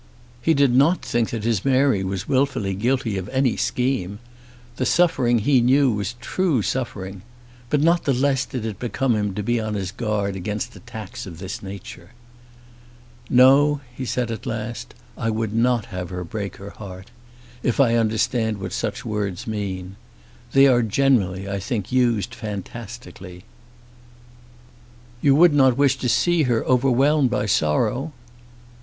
He did not think that his Mary was wilfully guilty of any scheme. The suffering he knew was true suffering. But not the less did it become him to be on his guard against attacks of this nature. "No," he said at last; "I would not have her break her heart, if I understand what such words mean. They are generally, I think, used fantastically." "You would not wish to see her overwhelmed by sorrow?"